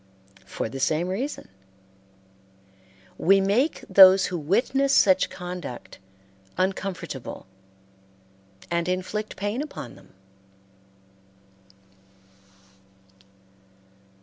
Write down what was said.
For the same reason. We make those who witness such conduct uncomfortable, and inflict pain upon them.